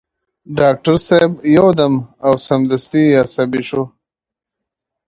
ډاکټر صاحب يو دم او سمدستي عصبي شو.